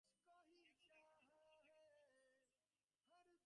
সে বললে, আমি যে স্পষ্ট দেখছি তোমরা মানুষকে ছোটো করছ, অপমান করছ।